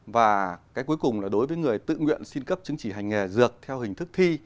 và cái cuối cùng là đối với người tự nguyện xin cấp chứng chỉ hành nghề dược theo hình thức thi